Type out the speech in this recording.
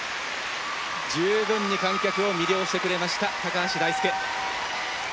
十分に観客を魅了してくれました橋大輔。